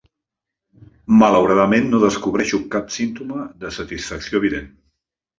Malauradament no descobreixo cap símptoma de satisfacció evident.